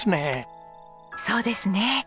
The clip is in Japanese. そうですね。